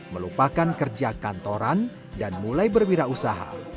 melupakan kerja kantoran dan mulai berwirausaha